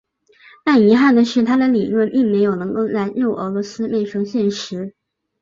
但遗憾的是他的理论并没有能够在旧俄罗斯变为现实。